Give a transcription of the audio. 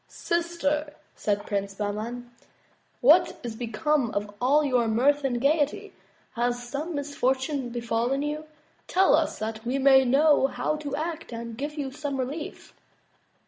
"Sister," said Prince Bahman, what is become of all your mirth and gaiety? Has some misfortune befallen you? Tell us, that we may know how to act and give you some relief."